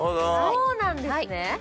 そうなんですね。